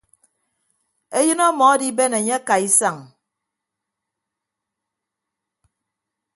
Eyịn ọmọ adiben enye akaaisañ.